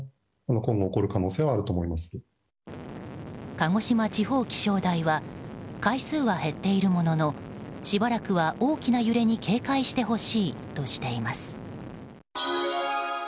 鹿児島地方気象台は回数は減っているもののしばらくは大きな揺れに警戒してほしいとしています。